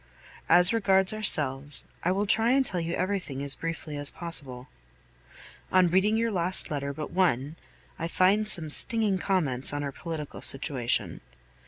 As regards ourselves, I will try and tell you everything as briefly as possible. On reading your last letter but one, I find some stinging comments on our political situation.